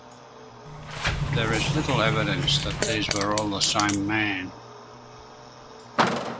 There is little evidence that these were all the same man.